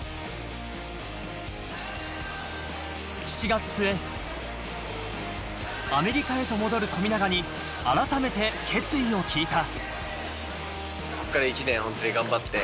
７月末、アメリカへと戻る富永に改めて決意を聞いた。